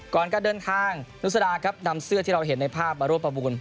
ก่อนการเดินทางนุษดาครับนำเสื้อที่เราเห็นในภาพมาร่วมประมูล